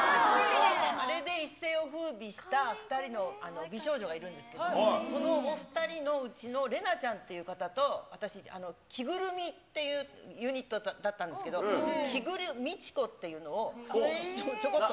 あれで一世をふうびした２人の美少女がいるんですけど、このお２人のうちのレナちゃんっていう方と私、キグルミっていうユニットだったんですけど、キグルミチコっていうのをちょこっと。